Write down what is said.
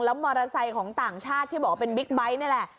มอเตอร์ไซค์ของต่างชาติที่บอกว่าเป็นบิ๊กไบท์นี่แหละ